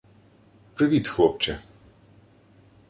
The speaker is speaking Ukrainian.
Привіт, хлопче